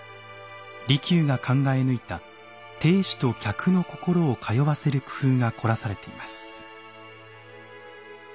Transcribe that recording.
利休が考え抜いた亭主と客の心を通わせる工夫が凝らされています。